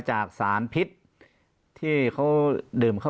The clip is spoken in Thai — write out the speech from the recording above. ปากกับภาคภูมิ